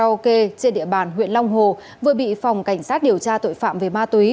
quán karaoke hồng anh hai tại xã hỏa phú huyện long hồ vừa bị phòng cảnh sát điều tra tội phạm về ma túy